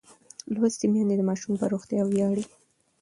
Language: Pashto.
لوستې میندې د ماشوم پر روغتیا ویاړي.